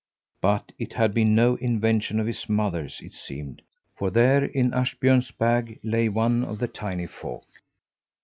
But it had been no invention of his mother's, it seemed; for there, in Ashbjörn's bag, lay one of the tiny folk.